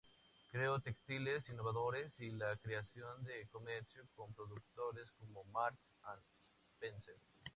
Creó textiles innovadores, y la creación de comercio con productores como Marks and Spencer.